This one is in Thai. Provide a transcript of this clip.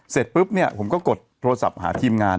เสร็จปุ๊บเนี่ยผมก็กดโทรศัพท์หาทีมงาน